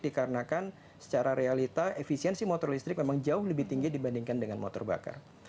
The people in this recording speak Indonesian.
dikarenakan secara realita efisiensi motor listrik memang jauh lebih tinggi dibandingkan dengan motor bakar